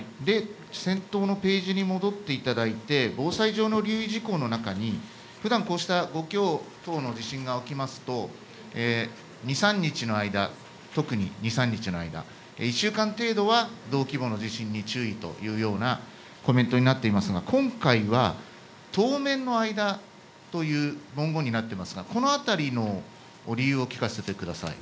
先頭のページに戻っていただいて防災上の留意事項の中にふだん、こうした５強等の地震が起きますと２、３日の間特に２、３日の間１週間程度は、同規模の地震に注意というようなコメントになっていますが今回は当面の間という文言になっていますがこのあたりの理由を聞かせてください。